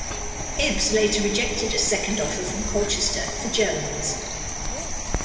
Hibs later rejected a second offer from Colchester for Jones.